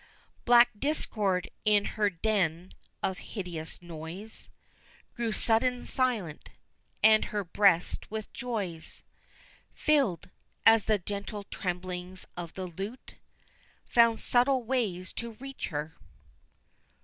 Black Discord in her den of hideous noise Grew sudden silent, and her breast with joys Filled, as the gentle tremblings of the lute Found subtle ways to reach her.